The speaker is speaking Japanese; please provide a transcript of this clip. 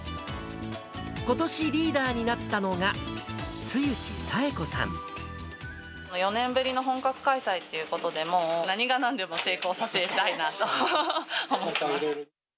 ことしリーダーになったのが、４年ぶりの本格開催ということで、もう、何がなんでも成功させたいなと思っています。